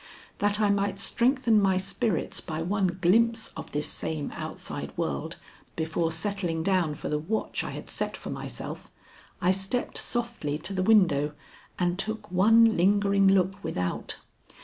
That I might strengthen my spirits by one glimpse of this same outside world, before settling down for the watch I had set for myself, I stepped softly to the window and took one lingering look without.